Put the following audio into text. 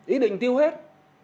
ý định tiêu hết